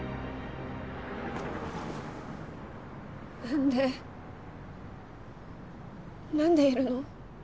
何で何でいるの？